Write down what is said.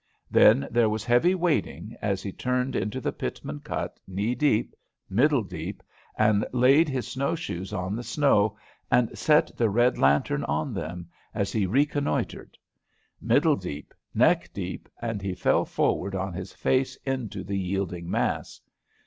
Then there was heavy wading as he turned into the Pitman cut, knee deep, middle deep, and he laid his snow shoes on the snow and set the red lantern on them, as he reconnoitred. Middle deep, neck deep, and he fell forward on his face into the yielding mass.